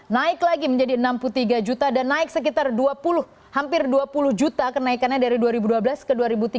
naik lagi menjadi enam puluh tiga juta dan naik sekitar dua puluh hampir dua puluh juta kenaikannya dari dua ribu dua belas ke dua ribu tiga belas